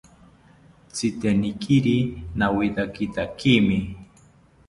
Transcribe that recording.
Tzitenikiri nawithakithakimi